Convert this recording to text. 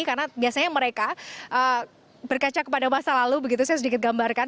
karena biasanya mereka berkaca kepada masa lalu begitu saya sedikit gambarkan